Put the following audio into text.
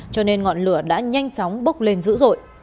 cho nên ngọn lửa đã nhanh chóng bốc lên dữ dội